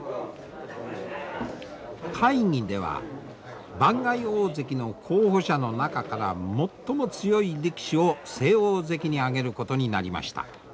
会議では番外大関の候補者の中から最も強い力士を正大関に上げることになりました。